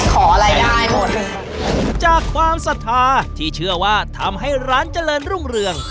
ขออะไรได้จากความสาธาระที่เชื่อว่าทำให้ร้านเจริญร่วงเรือง